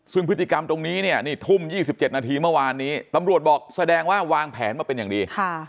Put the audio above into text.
ซึ่งพฤติกรรมตรงนี้เนี่ยนี่ทุ่ม๒๗นาทีเมื่อวานนี้ตำรวจบอกแสดงว่าวางแผนมาเป็นอย่างดี